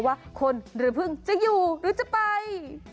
ว่าคนหรือพึ่งจะอยู่หรือจะไป